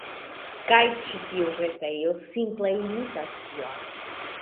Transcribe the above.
Kaj ĉi tiu retejo, simple imitas tion.